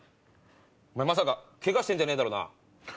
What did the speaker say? お前まさかケガしてんじゃねえだろうな？